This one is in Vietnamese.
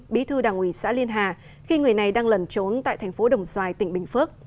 bí thư đảng ủy xã liên hà khi người này đang lẩn trốn tại thành phố đồng xoài tỉnh bình phước